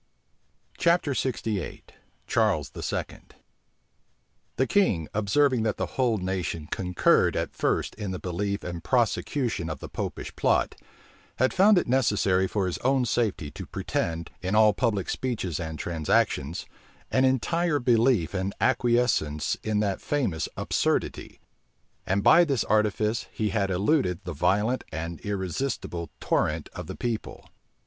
CHAPTER LXVIII. CHARLES II. {1679.} The king, observing that the whole nation concurred at first in the belief and prosecution of the Popish plot, had found it necessary for his own safety to pretend, in all public speeches and transactions, an entire belief and acquiescence in that famous absurdity; and by this artifice he had eluded the violent and irresistible torrent of the people.